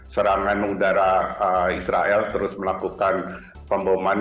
serangan udara israel terus melakukan pemboman